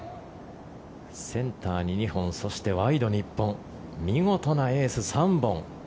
センターに２本そしてワイドに１本見事なエース、３本。